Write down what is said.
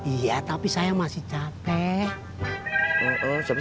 iya tapi saya masih capek